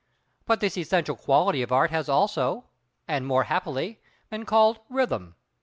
But this essential quality of Art has also, and more happily, been called Rhythm.